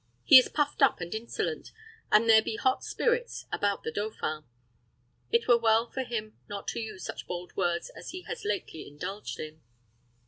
He is puffed up and insolent, and there be hot spirits about the dauphin. It were well for him not to use such bold words as he has lately indulged in.